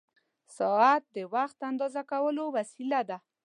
ساعت د وخت اندازه کولو وسیله ده.